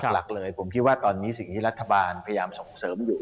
หลักเลยผมคิดว่าตอนนี้สิ่งที่รัฐบาลพยายามส่งเสริมอยู่